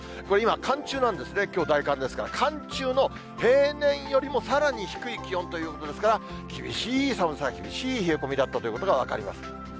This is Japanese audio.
これ、今、寒中なんですね、きょう大寒ですから、寒中の平年よりもさらに低い気温ということですから、厳しい寒さ、厳しい冷え込みだったということが分かります。